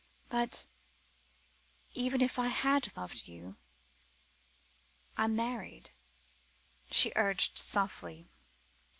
"But even if I had loved you I'm married," she urged softly.